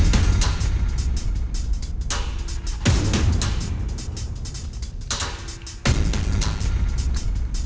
tidak ada yang bisa dipercaya